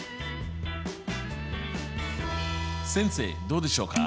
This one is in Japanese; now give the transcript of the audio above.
先生どうでしょうか？